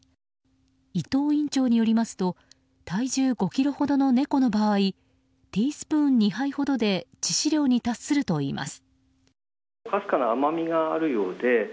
伊藤院長によりますと体重５ｋｇほどの猫の場合ティースプーン２杯ほどで致死量に達するといいます。